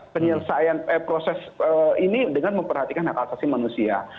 penyelesaian proses ini dengan memperhatikan hak asasi manusia